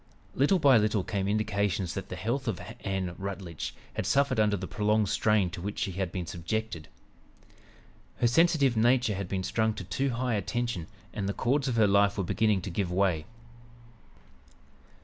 Little by little came indications that the health of Ann Rutledge had suffered under the prolonged strain to which she had been subjected. Her sensitive nature had been strung to too high a tension and the chords of her life were beginning to give way.